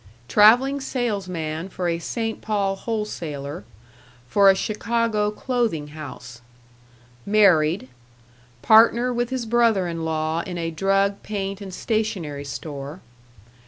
Traveling salesman for a St. Paul wholesaler, for a Chicago clothing house. Married. Partner with his brother in law in a drug, paint, and stationery store.